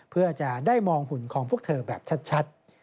เพื่อจะได้มองหุ่นของพวกเธอแบบชัด